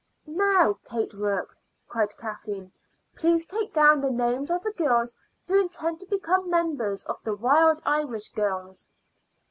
"Now, Kate Rourke," cried Kathleen, "please take down the names of the girls who intend to become members of the Wild Irish Girls."